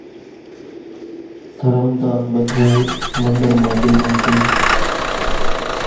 ڌرم ۮان ٻڌونئين منۮر مان ۮيوون سي۔